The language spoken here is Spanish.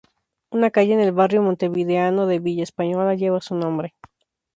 Una calle en el barrio montevideano de Villa Española lleva su nombre.